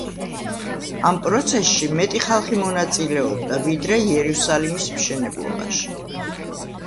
ამ პროცესში მეტი ხალხი მონაწილეობდა, ვიდრე იერუსალიმის მშენებლობაში.